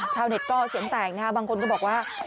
ชาวเน็ตก็เสียงแตกนะครับบางคนก็บอกว่า